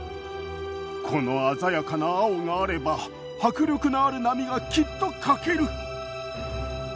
この鮮やかな青があれば迫力のある波がきっと描ける。